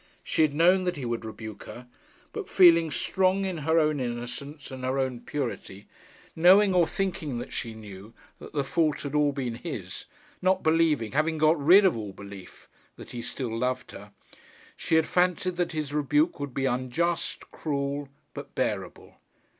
She had known that he would rebuke her; but, feeling strong in her own innocence and her own purity, knowing or thinking that she knew that the fault had all been his, not believing having got rid of all belief that he still loved her, she had fancied that his rebuke would be unjust, cruel, but bearable.